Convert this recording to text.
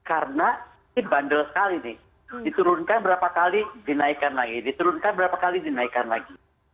karena ini bandel sekali nih diturunkan berapa kali dinaikkan lagi diturunkan berapa kali dinaikkan lagi